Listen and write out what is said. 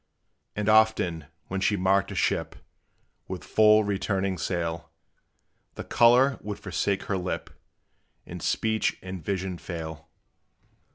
And often, when she marked a ship With full, returning sail, The color would forsake her lip, And speech and vision fail.